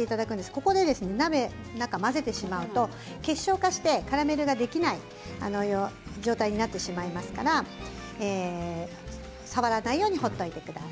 ここで鍋の中を混ぜてしまうと結晶化してキャラメルができない状態になってしまいますので触らないように放っておいてください。